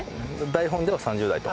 台本では３０台と。